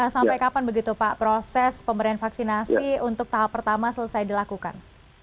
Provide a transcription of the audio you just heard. sampai kapan begitu pak proses pemberian vaksinasi untuk tahap pertama selesai dilakukan